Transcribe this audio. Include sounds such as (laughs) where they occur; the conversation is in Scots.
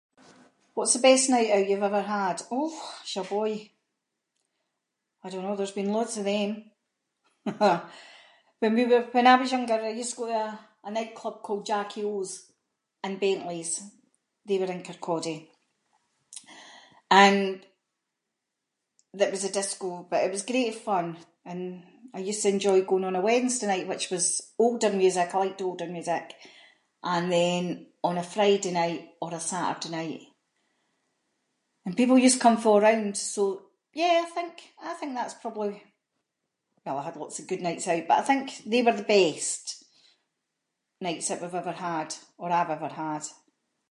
What’s the best night out you’ve ever had? Och, [inc]. I don’t know, there’s been loads of them. (laughs) When we were- when I was younger, I used to go to a nightclub called Jackie O’s and Bently’s they were in Kirkcaldy, and that was the disco, but it was great fun, and I used to enjoy going on a Wednesday night, which was older music, I liked older music, and then, on a Friday night, or a Saturday night, and people used to come fae all round, so yeah, I think, I think that’s probably- well I had lots of good nights out, but I think they were the best nights that we’ve ever had, or I’ve ever had.